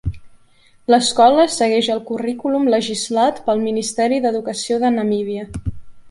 L'escola segueix el currículum legislat pel Ministeri d'Educació de Namíbia.